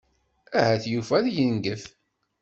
Ahat Yuba ad yengef.